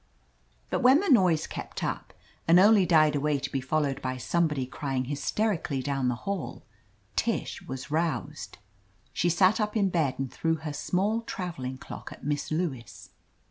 But when the noise kept up, and only died away to be followed by somebody crying hysterically down the hall, Tish was roused. She sat. up in bed and threw her small traveling clock at Miss Lewis.